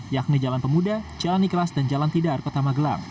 yakni jalan pemuda jalan ikhlas dan jalan tidar kota magelang